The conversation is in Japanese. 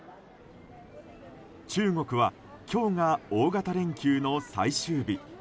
中国は今日が大型連休の最終日。